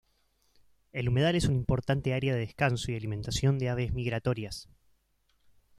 El humedal es un importante área de descanso y alimentación de aves migratorias.